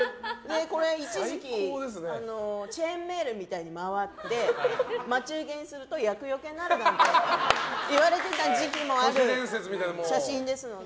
一時期チェーンメールみたいに回って待ち受けにすると厄除けになるといわれてた時期もある写真ですので。